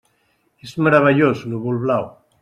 És meravellós, Núvol-Blau.